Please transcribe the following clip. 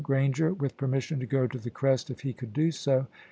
Granger with permission to go to the crest, if he could do so.